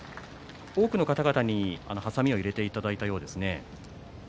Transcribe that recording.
多くの方々にはさみを入れていただいたようですね。